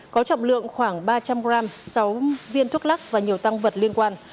có trọng lượng khoảng ba trăm linh g sáu viên thuốc lắc và nhiều tăng vật liên quan